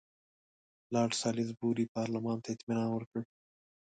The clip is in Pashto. لارډ سالیزبوري پارلمان ته اطمینان ورکړ.